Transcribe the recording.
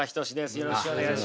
よろしくお願いします。